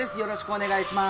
お願いします！